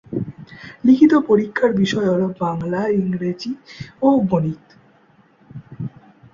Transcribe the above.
লিখিত পরীক্ষার বিষয় হলো: বাংলা, ইংরেজি ও গণিত।